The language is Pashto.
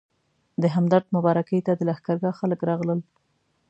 د همدرد مبارکۍ ته د لښکرګاه خلک راغلل.